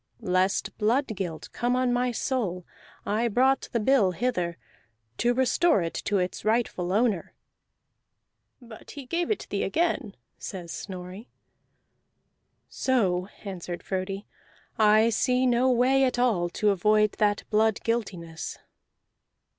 Lest blood guilt come on my soul I brought the bill hither, to restore it to its rightful owner." "But he gave it thee again," says Snorri. "So," answered Frodi, "I see no way at all to avoid that blood guiltiness."